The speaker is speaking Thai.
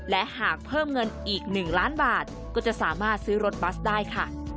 และหากเพิ่มเงินอีก๑ล้านบาทก็จะสามารถซื้อรถบัสได้ค่ะ